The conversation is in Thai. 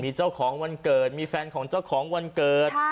มีเจ้าของวันเกิดมีแฟนของเจ้าของวันเกิด